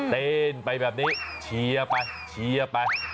เต้นไปแบบนี้เชียร์ไปเชียร์ไป